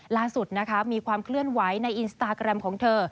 ล่าสุดนะคะมีความเคลื่อนไหวในอินสตาแกรมของเธอ